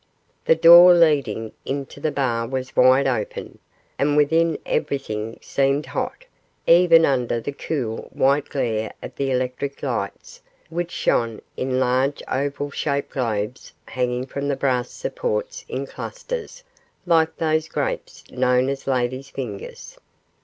The door leading into the bar was wide open, and within everything seemed hot, even under the cool, white glare of the electric lights, which shone in large oval shaped globes hanging from the brass supports in clusters like those grapes known as ladies' fingers.